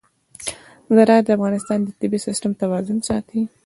زراعت د افغانستان د طبعي سیسټم توازن ساتي.